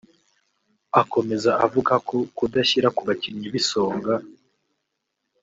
Akomeza avuga ko kudashyira ku bakinnyi b’Isonga